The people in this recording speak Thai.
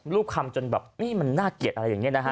ลูกคำจนแบบนี่มันน่าเกลียดอะไรอย่างนี้นะฮะ